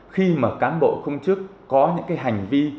khi mà cán bộ công chức có những cái hành vi